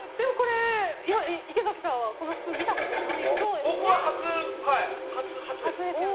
池崎さんはこのスプーン見たことないですよね。